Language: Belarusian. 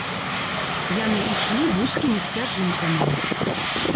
Яны ішлі вузкімі сцяжынкамі.